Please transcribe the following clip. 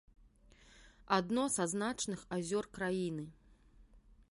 Адно са значных азёр краіны.